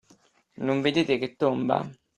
Non vedete che tomba?